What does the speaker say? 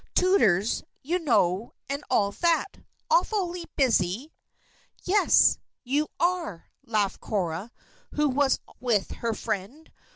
"Tutors, you know, and all that. Awfully busy." "Yes you are!" laughed Cora, who was with her friend.